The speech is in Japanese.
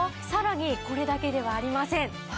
さらにこれだけではありません。